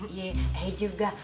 iya ae juga